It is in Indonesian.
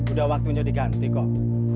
udah waktunya diganti kok